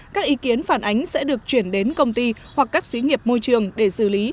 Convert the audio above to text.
các ý kiến phản ánh sẽ được chuyển đến công ty hoặc các sĩ nghiệp môi trường để xử lý